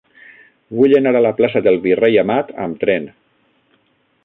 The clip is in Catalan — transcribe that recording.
Vull anar a la plaça del Virrei Amat amb tren.